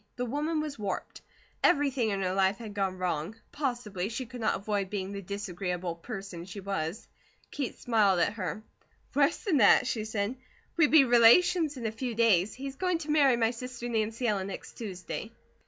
The woman was warped. Everything in her life had gone wrong. Possibly she could not avoid being the disagreeable person she was. Kate smiled at her. "Worse than that," she said. "We be relations in a few days. He's going to marry my sister Nancy Ellen next Tuesday."